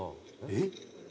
えっ？